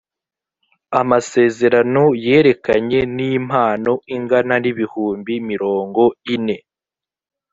amasezerano yerekeranye n’impano ingana n’ibihumbi mirongo ine